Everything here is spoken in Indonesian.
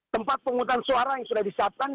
tempat penghutang suara yang sudah disiapkan